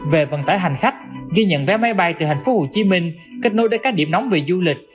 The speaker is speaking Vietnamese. về vận tải hành khách ghi nhận vé máy bay từ thành phố hồ chí minh kết nối đến các điểm nóng về du lịch